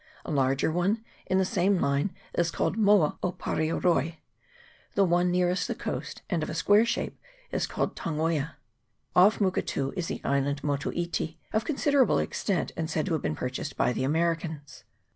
A larger one in the same line is called Moa Opareoroi. The one nearest the coast, and of a square shape, is called Tangoia. Off Muketu is the island Motu iti, of considerable extent, and said to have been purchased by the Americans.